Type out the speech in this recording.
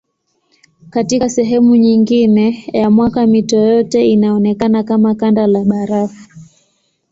Katika sehemu nyingine ya mwaka mito yote inaonekana kama kanda la barafu.